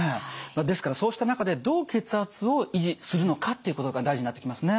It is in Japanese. ですからそうした中でどう血圧を維持するのかっていうことが大事になってきますね。